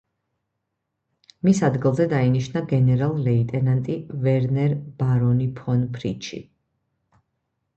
მის ადგილზე დაინიშნა გენერალ-ლეიტენანტი ვერნერ ბარონი ფონ ფრიჩი.